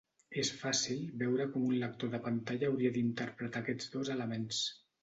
És fàcil veure com un lector de pantalla hauria d'interpretar aquests dos elements.